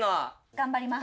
頑張ります。